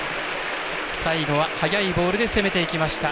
最後は速いボールで攻めていきました。